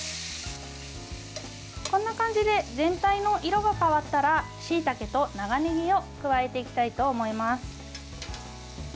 こんな感じで全体の色が変わったらしいたけと長ねぎを加えていきたいと思います。